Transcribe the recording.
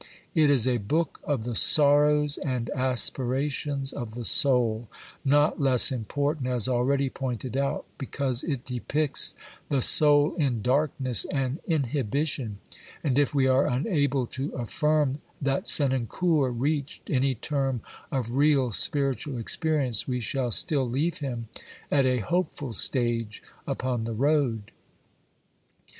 It is a book of the "sorrows and; aspirations " of the soul, not less important, as already ' pointed out, because it depicts the soul in darkness and inhibition, and if we are unable to affirm that Senancour reached any term of real spiritual experience, we shall still leave him at a hopeful stage upon the road.